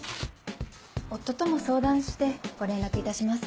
夫とも相談してご連絡いたします。